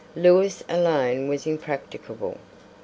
Lewis alone was impracticable.